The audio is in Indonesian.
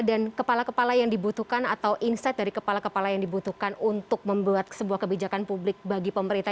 dan kepala kepala yang dibutuhkan atau insight dari kepala kepala yang dibutuhkan untuk membuat sebuah kebijakan publik bagi pemerintah